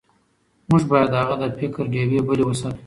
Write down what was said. موږ باید د هغه د فکر ډیوې بلې وساتو.